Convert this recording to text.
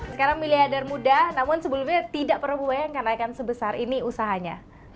sekarang miliarder muda namun sebelumnya tidak pernah bayangkan naikkan sebesar ini usahanya